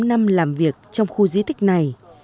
ba mươi tám năm làm việc trong khu di tích này